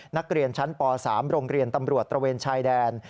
นักเรียนชั้นป๓โรงเรียนตำรวจตระเวนชายแดน